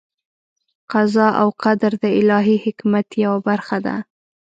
قضا او قدر د الهي حکمت یوه برخه ده.